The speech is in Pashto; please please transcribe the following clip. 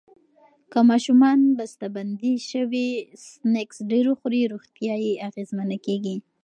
که ماشومان بستهبندي شوي سنکس ډیر وخوري، روغتیا یې اغېزمنه کېږي.